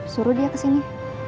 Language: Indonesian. suruh dia kesini